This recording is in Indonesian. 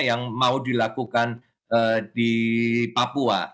yang mau dilakukan di papua